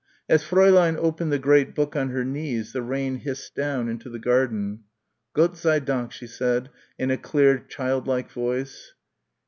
As Fräulein opened the great book on her knees the rain hissed down into the garden. "Gott sei Dank," she said, in a clear child like voice.